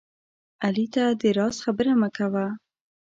علي ته د راز خبره مه کوه